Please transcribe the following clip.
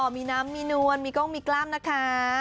มีน้ำมีนวลกล้ามมีก้องนะคะ